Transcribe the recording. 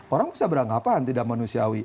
orang bisa beranggapan tidak manusiawi